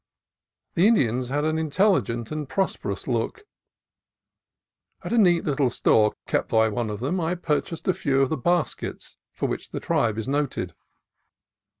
The Indians had an intelligent and prosperous look. At a neat little store kept by one of them, I purchased a few of the baskets for which the tribe is noted.